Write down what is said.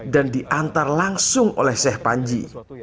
dan diantar langsung oleh syekh panji